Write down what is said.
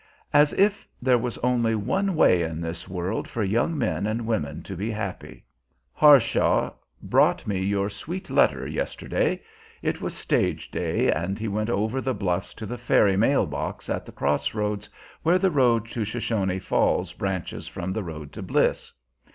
As if there was only one way in this world for young men and women to be happy! Harshaw brought me your sweet letter yesterday. It was stage day, and he went up over the bluffs to the ferry mail box at the cross roads, where the road to Shoshone Falls branches from the road to Bliss.